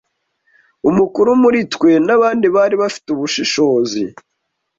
Umukuru muri twe n’abandi bari bafite ubushishozi,